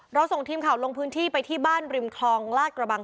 ส่งทีมข่าวลงพื้นที่ไปที่บ้านริมคลองลาดกระบัง